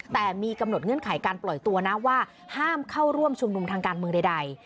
แต่มีกำหนดเงื่อนไขการปล่อยตัวนะว่าห้ามเข้าร่วมชุมนุมทางการเมืองใด